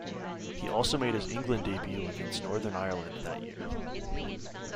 He also made his England debut against Northern Ireland that year.